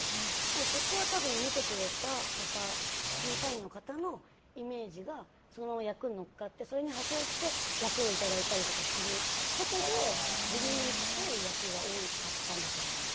そこは、多分見てくれた方審査員の方のイメージがそのまま役に乗っかってそれに派生して役をいただいたりとかすることで自分に近い役が多かったんだと思います。